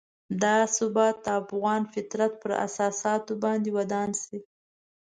دا ثبات د افغان فطرت پر اساساتو باید ودان شي.